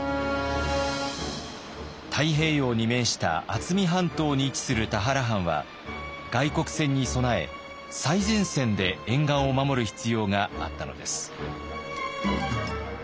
太平洋に面した渥美半島に位置する田原藩は外国船に備え最前線で沿岸を守る必要があったのです。